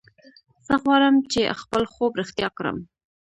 زه غواړم چې خپل خوب رښتیا کړم